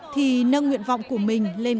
thì nâng nguyện vọng của mình lên